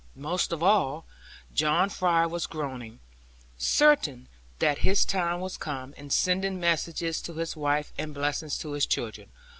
Most of all, John Fry was groaning; certain that his time was come, and sending messages to his wife, and blessings to his children.